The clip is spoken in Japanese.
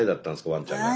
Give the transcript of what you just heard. ワンちゃんが。